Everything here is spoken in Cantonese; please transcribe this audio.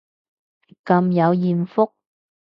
咁有艷福